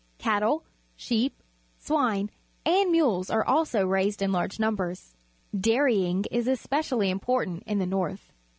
Cattle, sheep, swine, and mules are also raised in large numbers. I)airyiag;_is_especially important in the north.